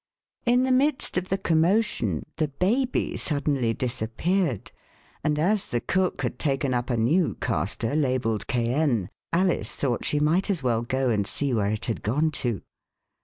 In the midst of the commotion the baby suddenly disappeared, and as the cook had taken up a new caster labelled "cayenne" Alice thought she might as well go and see where it had gone to.